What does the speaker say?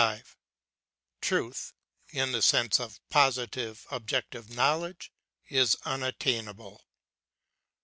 Truth, in the sense of positive objective knowledge, is unattain able.